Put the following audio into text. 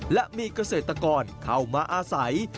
และมีเกษตรกรเข้ามาอาศัย